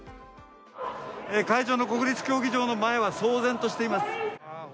会場の国立競技場の前は騒然としています。